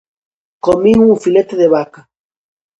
Comín un filete de vaca.